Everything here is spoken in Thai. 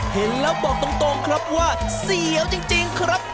เห็นแล้วบอกตรงครับว่าเสียวจริงครับ